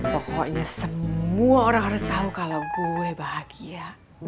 pokoknya semua orang harus tahu kalau gue bahagia